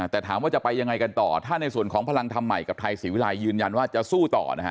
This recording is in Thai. แต่ถามว่าจะไปยังไงกันต่อถ้าในส่วนของพลังธรรมใหม่กับไทยศรีวิรัยยืนยันว่าจะสู้ต่อนะฮะ